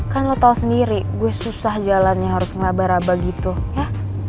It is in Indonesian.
kan lo tau sendiri gue susah jalannya harus ngeraba raba gitu ya